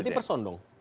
berarti person dong